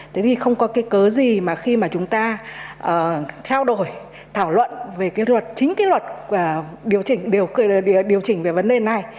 thế thì không có cái cớ gì mà khi mà chúng ta trao đổi thảo luận về cái luật chính cái luật điều chỉnh về vấn đề này